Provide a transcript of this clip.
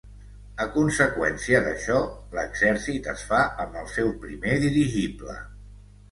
A conseqüència d'això, l'exèrcit es fa amb el seu primer dirigible.